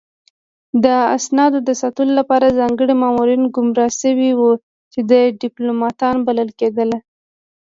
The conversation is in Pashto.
د اسنادو د ساتلو لپاره ځانګړي مامورین ګمارل شوي وو چې ډیپلوماتان بلل کېدل